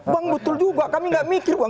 bang betul juga kami gak mikir bang